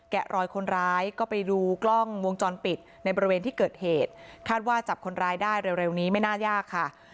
รอยคนร้ายก็ไปดูกล้องวงจรปิดในบริเวณที่เกิดเหตุคาดว่าจับคนร้ายได้เร็วนี้ไม่น่ายากค่ะ